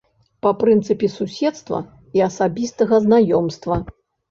Па прынцыпе суседства і асабістага знаёмства.